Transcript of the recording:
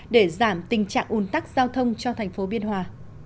để giảm tình trạng ủn tắc giao thông cho thành phố biên hòa